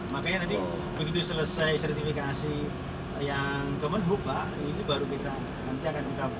makanya nanti begitu selesai sertifikasi yang kemenhub pak ini baru kita nanti akan kita